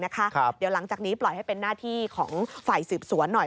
เดี๋ยวหลังจากนี้ปล่อยให้เป็นหน้าที่ของฝ่ายสืบสวนหน่อย